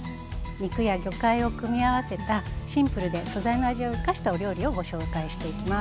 肉や魚介を組み合わせたシンプルで素材の味を生かしたお料理をご紹介していきます。